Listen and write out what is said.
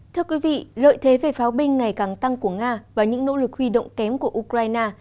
thưa quý vị lợi thế về pháo binh ngày càng tăng của nga và những nỗ lực huy động kém của ukraine